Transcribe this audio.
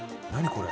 これ。